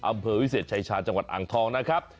อำเภอวิเศษชายชาจังหวัดอ่างทองนะครับ